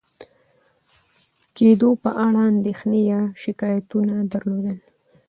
کېدو په اړه اندېښنې یا شکایتونه درلودل،